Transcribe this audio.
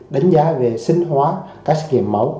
đánh giá về sinh hóa các xét nghiệm máu